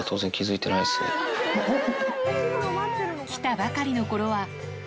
来たばかりのころは、のりしお。